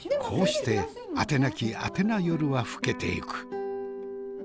こうしてあてなきあてなよるは更けていく。